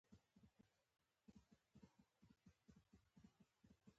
د مبارزې لپاره باید د ټیټ خطر لرونکي اعمال وټاکل شي.